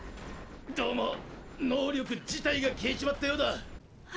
どうも能力自体が消えちまったようだ。え？